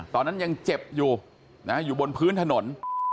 ตอนนั้นยังเจ็บอยู่อยู่บนพื้นถนน